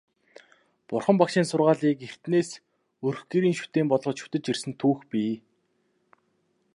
Бурхан Багшийн сургаалыг эртнээс өрх гэрийн шүтээн болгож шүтэж ирсэн түүх бий.